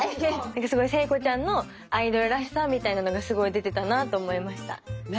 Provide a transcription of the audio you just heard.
聖子ちゃんのアイドルらしさみたいなのがすごい出てたなと思いました。ね？